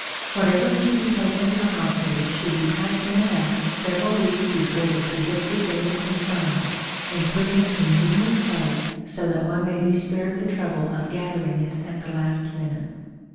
Whatever is to be taken to the hospital should be packed in a bag several weeks before the predicted date of confinement and put in a convenient place so that one may be spared the trouble of gathering it at the last minute.